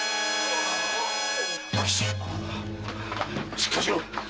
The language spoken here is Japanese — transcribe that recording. しっかりしろ！